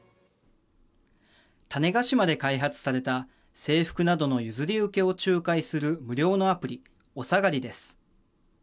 種子島で開発された制服などの譲り受けを仲介する無料のアプリｏｓａｇａｒｉです。